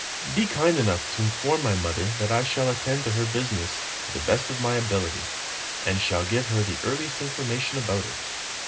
Be kind enough to inform my mother that I shall attend to her business to the best of my ability, and shall give her the earliest information about it.